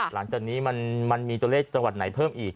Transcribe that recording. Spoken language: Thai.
หลังจากนี้มันมีตัวเลขจังหวัดไหนเพิ่มอีก